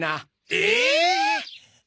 え！？